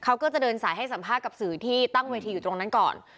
เขาก็จะเดินสายให้สัมภาษณ์กับสื่อที่ตั้งเวทีอยู่ตรงนั้นก่อน